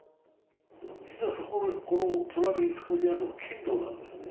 実はそこ、この隣、そこにあるのが県道なんですね。